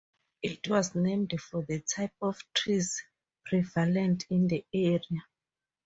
It was named for the type of trees prevalent in the area.